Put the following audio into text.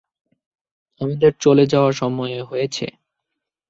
আমাদের চলে যাওয়া সময়ে হয়েছে।